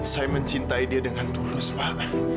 saya mencintai dia dengan tulus pak